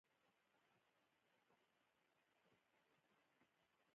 • یوازې مادي شیان خوشالي نه راوړي، مینه او درناوی مهم دي.